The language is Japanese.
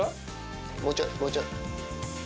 もうちょい、もうちょい。